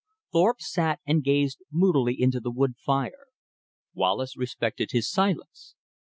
Thorpe sat and gazed moodily into the wood fire, Wallace respected his silence.